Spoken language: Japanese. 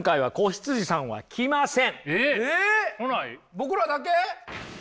僕らだけ？